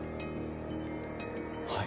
はい。